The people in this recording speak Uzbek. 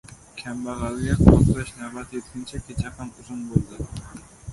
• Kambag‘alga qo‘riqlash navbati yetguncha kecha ham uzun bo‘ladi.